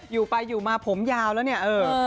อยู่ไปอยู่มาผมยาวแล้ว